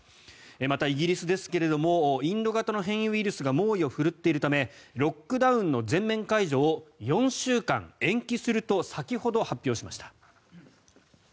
また、イギリスですがインド型の変異ウイルスが猛威を振るっているためロックダウンの全面解除を４週間延期すると先ほど発表しました。